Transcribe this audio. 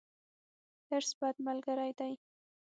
حرص، بد ملګری دی.